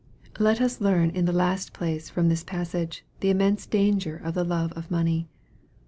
Let us learn, in the last place, from this passage, the immense danger of the love of money.